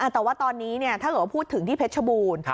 แต่ว่าตอนนี้ถ้าเกิดว่าพูดถึงที่เพชรชบูรณ์